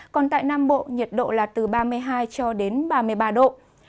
còn tại nam bộ nhiệt độ là từ ba mươi hai ba mươi ba độ